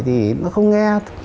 thì nó không nghe